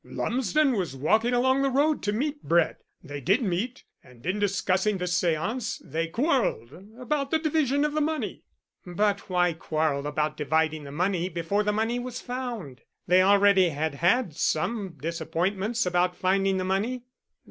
"Lumsden was walking along the road to meet Brett. They did meet, and in discussing this séance they quarrelled about the division of the money." "But why quarrel about dividing the money before the money was found? They already had had some disappointments about finding the money."